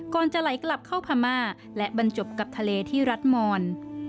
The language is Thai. จะไหลกลับเข้าพม่าและบรรจบกับทะเลที่รัฐมอน